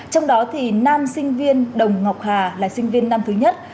trong đó thì nam sinh viên đồng ngọc hà là sinh viên năm thứ nhất